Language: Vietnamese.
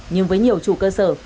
nhưng với nhiều chủ cơ sở